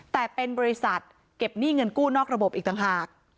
แต่เป็นบริษัทเก็บหนี้เงินกู้นอกระบบอีกต่างหาก